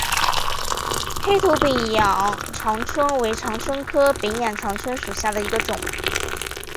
黑头柄眼长蝽为长蝽科柄眼长蝽属下的一个种。